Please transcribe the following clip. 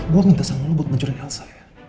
gue minta sama lo buat mencurigin elsa ya